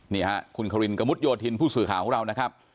นี่ฮะคุณควินกระมุดโยธินผู้สื่อข่าวของเรานะครับ